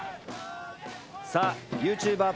さあＹｏｕＴｕｂｅｒ